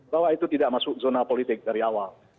bahwa itu tidak masuk zona politik dari awal